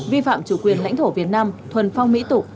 vi phạm chủ quyền lãnh thổ việt nam thuần phong mỹ tục